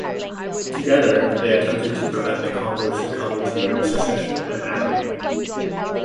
Together, they attempt to prevent the Congo succumbing to secession and anarchy.